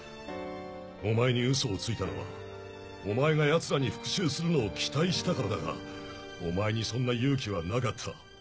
お前にウソをついたのはお前がヤツらに復讐するのを期待したからだがお前にそんな勇気はなかった。